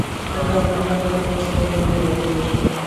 د کارمندانو کاري سویه لوړیږي.